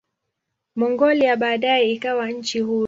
Mongolia baadaye ikawa nchi huru.